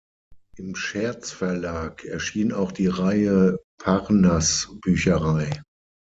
Im Scherz Verlag erschien auch die Reihe "Parnass-Bücherei".